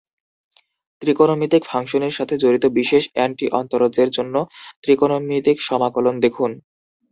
ত্রিকোণমিতিক ফাংশনের সাথে জড়িত বিশেষ এন্টি- অন্তরজের জন্য ত্রিকোণমিতিক সমাকলন দেখুন।